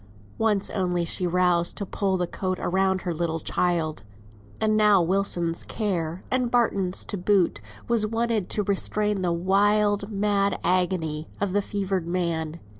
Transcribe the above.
Once only she roused to pull the coat round her little child. And now all Wilson's care, and Barton's to boot, was wanted to restrain the wild mad agony of the fevered man.